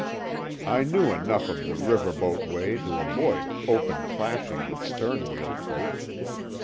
I knew enough of the river boat way to avoid open clashing with sternwheel folk.